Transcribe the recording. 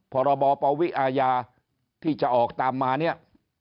พรบปวิอาญาที่จะออกตามมาเนี่ย